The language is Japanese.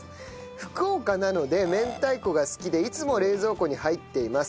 福岡なので明太子が好きでいつも冷蔵庫に入っています。